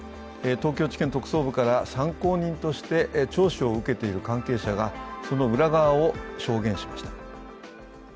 東京地検特捜部から参考人として聴取を受けている関係者が、その裏側を証言しました。